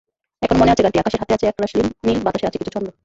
এখনো মনে আছে গানটি—আকাশের হাতে আছে একরাশ নীল, বাতাসের আছে কিছু ছন্দ।